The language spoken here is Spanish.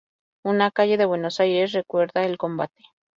Una calle de Buenos Aires recuerda el combate.